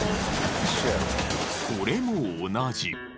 これも同じ。